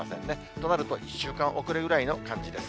となると、１週間遅れぐらいの感じです。